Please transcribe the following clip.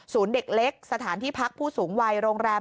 เด็กเล็กสถานที่พักผู้สูงวัยโรงแรม